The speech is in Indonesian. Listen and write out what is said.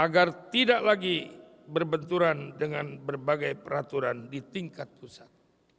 agar tidak lagi berbenturan dengan berbagai peraturan di tingkat pusat